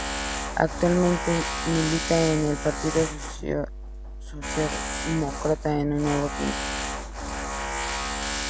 Actualmente milita en el partido socialdemócrata Un Nuevo Tiempo.